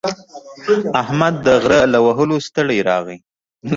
احمد د غره له وهلو ستړی راغی.